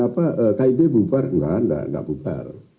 apa kib bubar enggak enggak bubar